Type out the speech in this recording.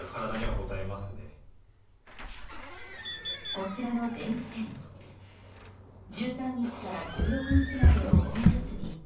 こちらの電器店１３日から１６日までお盆休み。